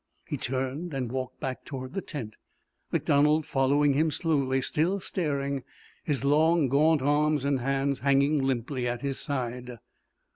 He turned and walked back toward the tent, MacDonald following him slowly, still staring, his long gaunt arms and hands hanging limply at his side.